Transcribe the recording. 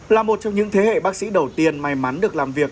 là một trong những thế hệ bác sĩ đầu tiên may mắn được làm việc